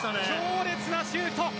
強烈なシュート。